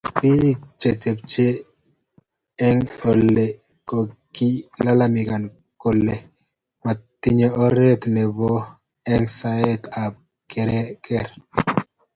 Bil che tepche eng oli kokilalamikaniki kole matindo oret netepto eng saet ab keker.